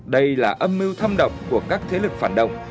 đây là âm mưu thâm độc của các thế lực phản động